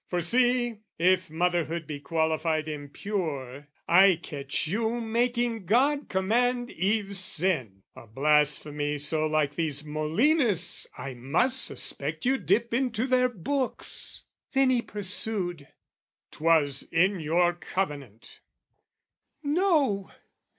For see "If motherhood be qualified impure, "I catch you making God command Eve sin! " A blasphemy so like these Molinists', "I must suspect you dip into their books." Then he pursued "'Twas in your covenant!" No!